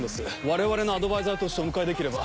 我々のアドバイザーとしてお迎えできれば。